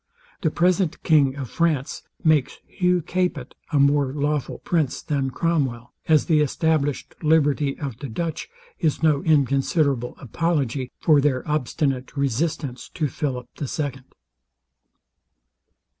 The present king of France makes Hugh Capet a more lawful prince than Cromwell; as the established liberty of the Dutch is no inconsiderable apology for their obstinate resistance to Philip the second.